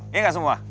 iya nggak semua